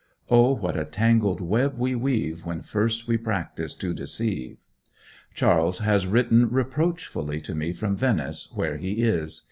O what a tangled web we weave When first we practise to deceive! Charles has written reproachfully to me from Venice, where he is.